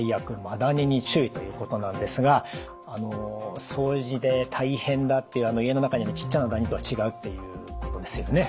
マダニに注意」ということなんですが掃除で大変だっていう家の中にいるちっちゃなダニとは違うっていうことですよね。